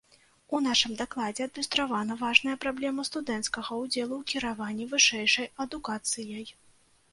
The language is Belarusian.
У нашым дакладзе адлюстравана важная праблема студэнцкага ўдзелу ў кіраванні вышэйшай адукацыяй.